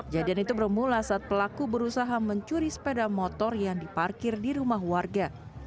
jadian itu bermula saat pelaku berusaha mencuri sepeda motor yang diparkir di rumah warga